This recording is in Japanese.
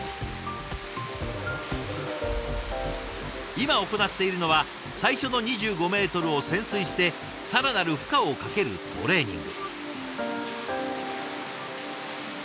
今行っているのは最初の２５メートルを潜水して更なる負荷をかけるトレーニング。